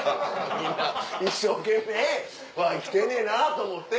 みんな一生懸命生きてんねんなと思って。